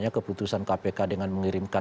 keputusan kpk dengan mengirimkan